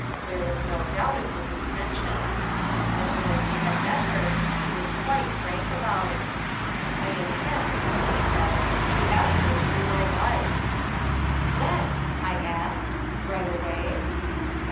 There was no doubt of his intentions. As soon as he had met her he was quite frank about it. "I intend," he said, "to ask her to be my wife." "When?" I asked; "right away?"